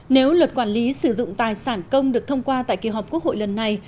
nếu luật quản lý sử dụng tài sản công được thông qua tại kỳ họp quốc hội lần này